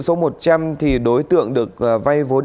số một trăm linh thì đối tượng được vay vốn